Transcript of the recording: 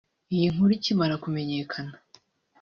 Iyi nkuru ikimara kumenyakana